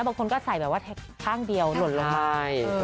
บางคนก็ใส่แบบว่าข้างเดียวหล่นลงไป